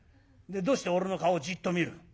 どうして俺の顔じっと見る？